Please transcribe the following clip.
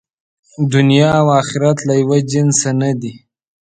دنیا او آخرت له یوه جنسه نه دي.